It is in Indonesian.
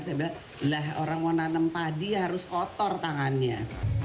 saya bilang lah orang mau nanam padi harus kotor tangannya